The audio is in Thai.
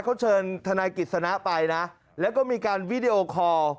เขาเชิญทนายกิจสนะไปนะแล้วก็มีการวิดีโอคอร์